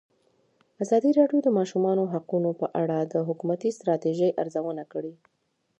ازادي راډیو د د ماشومانو حقونه په اړه د حکومتي ستراتیژۍ ارزونه کړې.